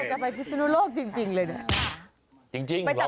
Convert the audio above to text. อีกตัวหนึ่งเลยบอกว่า